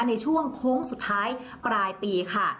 ในช่วงโค้งสุดท้ายปลายปีค่ะ